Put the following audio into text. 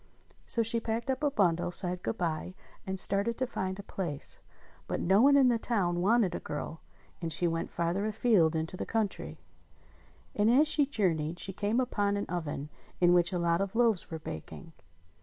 So she packed up a bundle, said good bye, and started to find a place ; but no one in the town wanted a girl, and she went farther afield into the country. And as she jour neyed she came upon an oven in which a lot of loaves were baking.